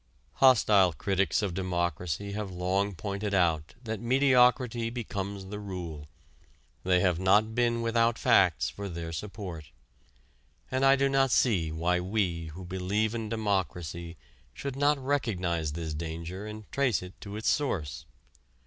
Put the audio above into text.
Hostile critics of democracy have long pointed out that mediocrity becomes the rule. They have not been without facts for their support. And I do not see why we who believe in democracy should not recognize this danger and trace it to its source.